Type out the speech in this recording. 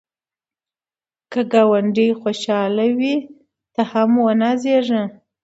که ګاونډی خوشحال وي، ته هم ونازېږه